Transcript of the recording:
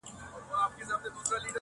• خو چي پام یې سو څلورو نرۍ پښو ته -